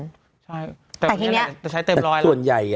ใช่แต่ทีนี้แต่ใช้เต็มร้อยละแต่ส่วนใหญ่